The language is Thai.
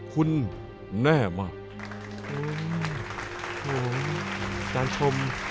คุณแน่มาก